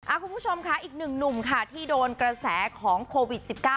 คุณผู้ชมค่ะอีกหนึ่งหนุ่มค่ะที่โดนกระแสของโควิด๑๙